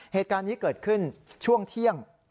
เหตุการณ์นี้เกิดขึ้นช่วงเที่ยง